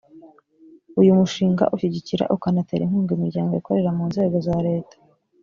uyu mushinga ushyigikira ukanatera inkunga imiryango ikorera mu nzego za leta